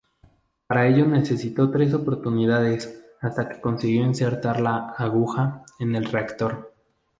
Para ello necesitó tres oportunidades hasta que consiguió insertar la "aguja" en el reactor.